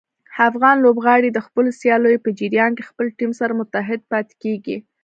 افغان لوبغاړي د خپلو سیالیو په جریان کې خپل ټیم سره متحد پاتې کېږي.